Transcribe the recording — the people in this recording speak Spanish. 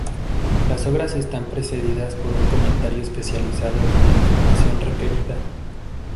Las obras están precedidas por un comentario especializado con la información requerida.